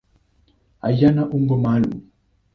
Hayana umbo maalum.